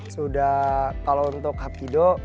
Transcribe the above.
sudah kalau untuk hapido